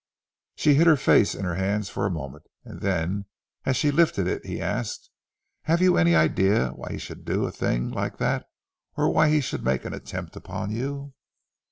She hid her face in her hands for a moment, and then as she lifted it, he asked, "Have you any idea why he should do a thing like that, or why he should make an attempt upon you?"